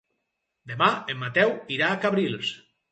Demà en Mateu irà a Cabrils.